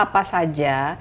apa apa saja yang kita lakukan